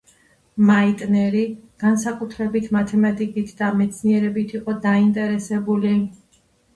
მაიტნერი განსაკუთრებით მათემატიკით და მეცნიერებით იყო დაინტერესებული.